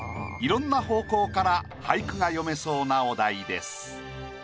色んな方向から俳句が詠めそうなお題です。